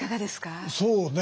そうね。